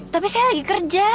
tapi saya lagi kerja